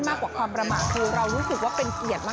มากกว่าความประมาทคือเรารู้สึกว่าเป็นเกียรติมาก